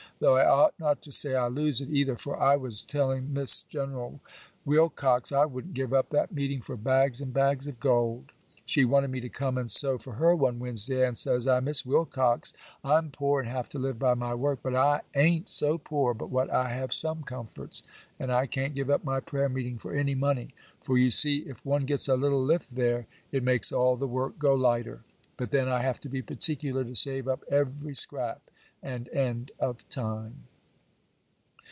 Though I ought not to say I lose it, either, for I was telling Miss General Wilcox I wouldn't give up that meeting for bags and bags of gold. She wanted me to come and sew for her one Wednesday, and says I, "Miss Wilcox, I'm poor and have to live by my work, but I a'n't so poor but what I have some comforts, and I can't give up my prayer meeting for any money—for you see, if one gets a little lift there, it makes all the work go lighter, but then I have to be particular to save up every scrap and end of time."